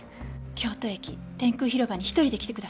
京都駅天空広場に１人で来てください。